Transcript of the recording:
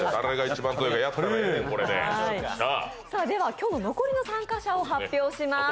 今日残り参加者を発表します。